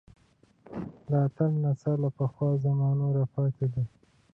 د اتڼ نڅا له پخوا زمانو راپاتې ده